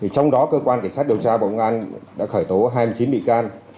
trong đó cơ quan cảnh sát điều tra bộ công an đã khởi tố hai mươi chín bị can